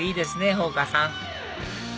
ほうかさん